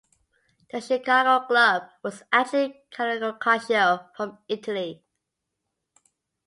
The Chicago club was actually Cagliari Calcio from Italy.